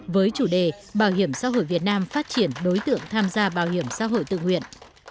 với chủ đề bảo hiểm xã hội việt nam phát triển đối tượng tham gia bảo hiểm xã hội tự nguyện